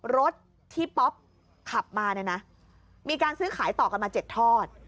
รถที่ป๊อปขับมาเนี่ยนะมีการซื้อขายต่อกันมา๗ทอด